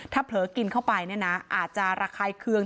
ถ้าเผลอกินเข้าไปเนี่ยนะอาจจะระคายเคือง